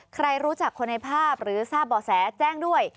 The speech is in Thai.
ใครรู้จักคนในภาพหรือทราบบ่อแสแจ้งด้วย